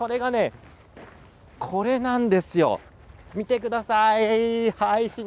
これなんですよ、見てください。